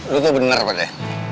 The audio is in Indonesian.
lu tuh bener pak ya